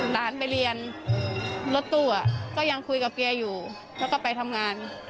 หลานไปเรียนรถตู้ก็ยังคุยกับเฮียอยู่แล้วก็ไปทำงาน